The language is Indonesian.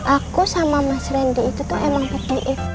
aku sama mas rendy itu tuh emang petiif